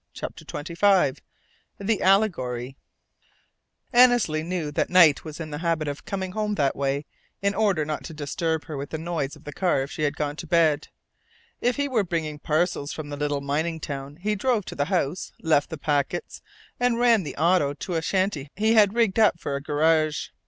CHAPTER XXV THE ALLEGORY Annesley knew that Knight was in the habit of coming home that way, in order not to disturb her with the noise of the car if she had gone to bed. If he were bringing parcels from the little mining town, he drove to the house, left the packets, and ran the auto to a shanty he had rigged up for a garage.